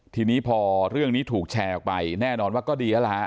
ทีนี้พอเรื่องนี้ถูกแชร์ออกไปแน่นอนว่าก็ดีแล้วล่ะฮะ